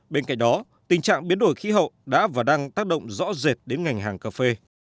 bên cạnh đó tình trạng biến đổi khí hậu đã và đang tác động rõ rệt đến ngành hàng cà phê